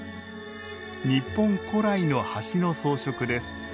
日本古来の橋の装飾です。